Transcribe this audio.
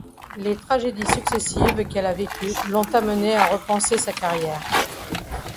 Les tragédies successives qu'elle a vécues l'ont amenée à repenser sa carrière.